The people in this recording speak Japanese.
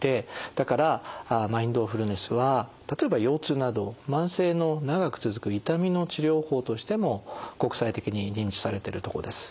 だからマインドフルネスは例えば腰痛など慢性の長く続く痛みの治療法としても国際的に認知されてるとこです。